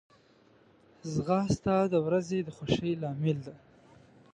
ځغاسته د ورځې د خوښۍ لامل ده